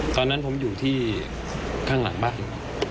ตอนนั้นผมอยู่ที่ข้างหลังบ้านอยู่